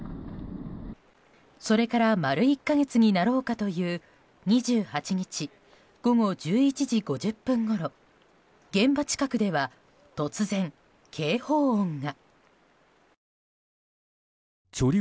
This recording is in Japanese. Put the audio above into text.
それから丸１か月になろうかという２８日午後１１時５０分ごろ現場近くでは突然、警報音が。